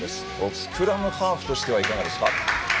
スクラムハーフとしてはいかがですか？